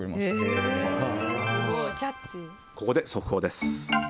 ここで、速報です。